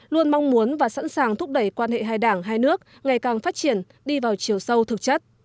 luôn mong muốn và sẵn sàng thúc đẩy quan hệ hai đảng hai nước ngày càng phát triển đi vào chiều sâu thực chất